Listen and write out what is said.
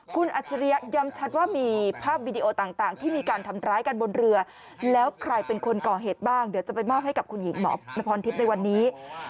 คุณอัจฉริยะย้ำชัดว่ามีภาพวิดีโอต่างที่มีการทำร้ายกันบนเรือแล้วใครเป็นคนก่อเหตุบ้างเดี๋ยวจะไปมอบให้กับคุณหญิงหมอนพรทิพย์ในวันนี้